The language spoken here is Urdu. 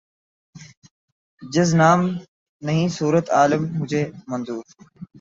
جز نام نہیں صورت عالم مجھے منظور